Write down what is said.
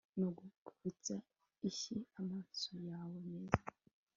Nugukubita inshyi amaso yawe meza